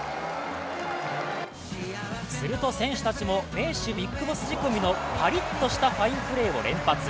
すると、選手たちも名手ＢＩＧＢＯＳＳ仕込みのパリッとしたファインプレーを連発。